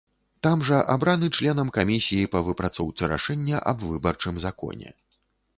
Там жа абраны членам камісіі па выпрацоўцы рашэння аб выбарчым законе.